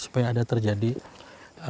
supaya ada terjadi akulturasi